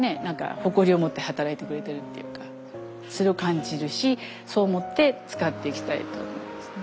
誇りを持って働いてくれているっていうかそれを感じるしそう思って使っていきたいと思いますね。